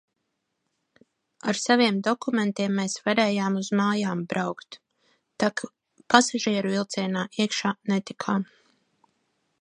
Ar saviem dokumentiem mēs varējām uz mājām braukt, tak pasažieru vilcienā iekšā netikām.